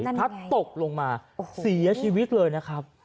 พลัดตกลงมาเสียชีวิตเลยนะครับ